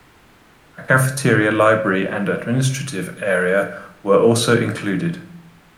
A cafeteria, library and administrative area were also included.